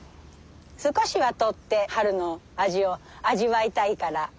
少しは採って春の味を味わいたいから。